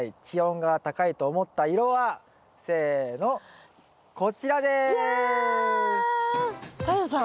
地温が高いと思った色はせのこちらです。